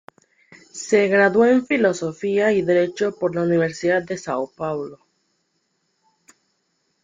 Se graduó en Filosofía y Derecho por la Universidad de Sao Paulo.